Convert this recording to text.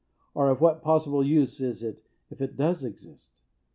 Or, of what possible use is it if it does exist?